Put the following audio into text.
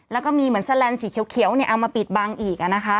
แล้วก็มีเหมือนแสลนด์สีเขียวเอามาปิดบังอีก